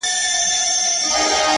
دا دی د مرګ، و دایمي محبس ته ودرېدم .